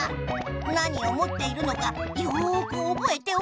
何をもっているのかよくおぼえておくのじゃぞ！